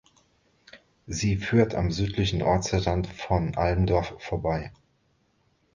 Sie führt am südlichen Ortsrand von Almdorf vorbei.